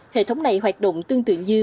hệ thống này hoạt động tương tự như